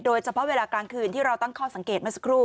โดยเฉพาะเวลากลางคืนที่เราตั้งข้อสังเกตมาสักครู่